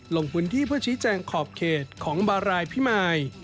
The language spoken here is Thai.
ลงพื้นที่เพื่อชี้แจงขอบเขตของบารายพิมาย